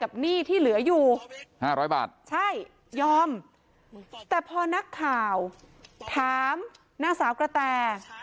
หนี้ที่เหลืออยู่๕๐๐บาทใช่ยอมแต่พอนักข่าวถามนางสาวกระแต